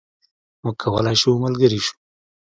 موږ کولای شو ملګري شو.